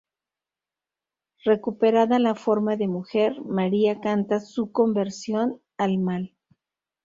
Recuperada la forma de mujer, María canta su conversión al Mal.